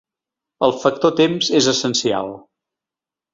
El factor temps és essencial.